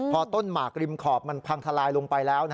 พอต้นหมากริมขอบมันพังทลายลงไปแล้ว